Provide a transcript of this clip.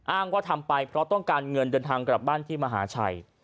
อ้างว่าทำไปเพราะต้องการเงินเดินทางกลับบ้านที่มหาชัย